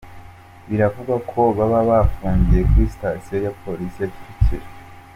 Biravugwa ko baba bafungiye kuri Station ya Police ya Kicukiro